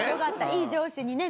いい上司にね